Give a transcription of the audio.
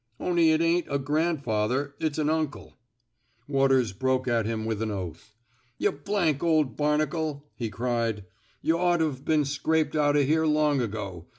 On'y it ain't a grandfather, it's an uncle —" Waters broke at him with an oath. Tuh old barnacle!" he cried. Y'ought t've been scraped out o' here long ago.